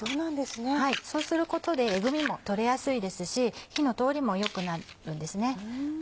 そうすることでえぐみも取れやすいですし火の通りも良くなるんですね。